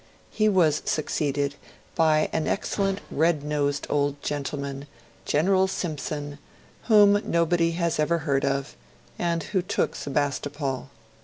He was succeeded by an excellent red nosed old gentleman, General Simpson, whom nobody has ever heard of, and who took Sebastopol.